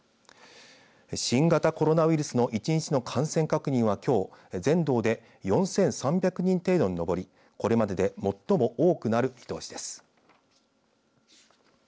新型コロナウイルスの１日の感染確認はきょう全道で４３００人程度に上りこれまでで最も多くなる見通しです。